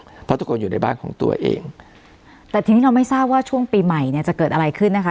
เพราะทุกคนอยู่ในบ้านของตัวเองแต่ทีนี้เราไม่ทราบว่าช่วงปีใหม่เนี่ยจะเกิดอะไรขึ้นนะคะ